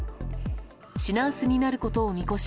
品薄になることを見越し